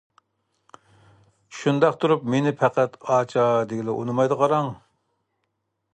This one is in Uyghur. شۇنداق تۇرۇپ مېنى پەقەت ئاچا دېگىلى ئۇنىمايدۇ قاراڭ.